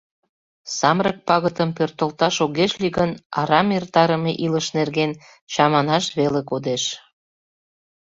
Самырык пагытым пӧртылташ огеш лий гын, арам эртарыме илыш нерген чаманаш веле кодеш!